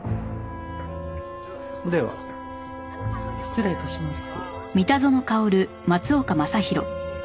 では失礼致します。